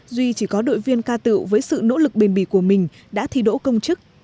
duy chỉ có đội viên ca tự với sự nỗ lực bền bỉ của mình đã thi đỗ công chức